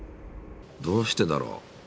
どうしてだろ？